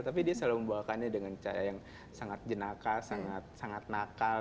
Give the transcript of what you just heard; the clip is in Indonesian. tapi dia selalu membawakannya dengan cara yang sangat jenaka sangat sangat nakal